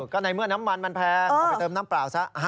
ก็ในเมื่อน้ำมันมันแพงก็ไปเติมน้ำเปล่าซะ